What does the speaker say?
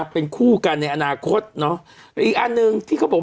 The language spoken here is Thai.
เป็นคู่กันในอนาคตเนอะอีกอันหนึ่งที่เขาบอก